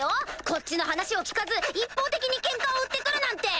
こっちの話を聞かず一方的にケンカを売って来るなんて！